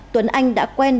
tuấn anh đã quen